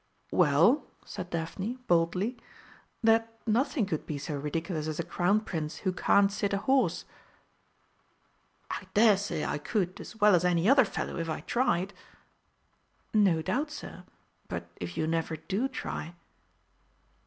"Well," said Daphne boldly, "that nothing could be so ridiculous as a Crown Prince who can't sit a horse." "I daresay I could as well as any other fellow, if I tried." "No doubt, sir, but if you never do try."